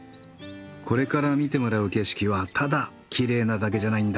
これから見てもらう景色はただきれいなだけじゃないんだ。